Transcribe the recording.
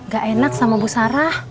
ga enak sama bu sarah